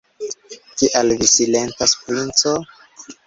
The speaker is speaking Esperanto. Kial vi silentas, princo?